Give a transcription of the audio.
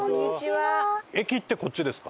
駅ってこっちですか？